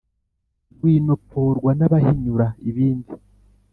Rwinopforwa n'abahinyura ibindi,